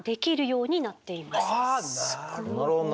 あなるほど。